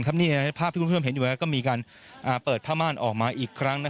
ภาพที่คุณผู้ชมเห็นอยู่แล้วก็มีการเปิดผ้าม่านออกมาอีกครั้ง